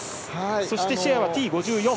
そして、シェアはＴ５４。